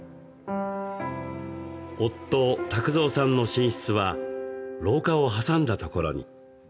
夫・卓蔵さんの寝室は廊下を挟んだところに。